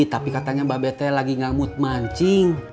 tapi katanya mbak bete lagi ngamut mancing